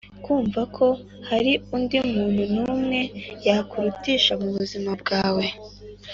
kumva ko hari undi muntu n’umwe yakurutisha mu buzima bwe.